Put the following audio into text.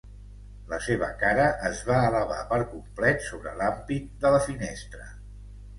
La seva cara es va elevar per complet sobre l'ampit de la finestra.